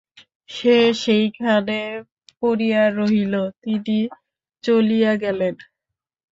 সে সেইখানে পড়িয়া রহিল, তিনি চলিয়া গেলেন।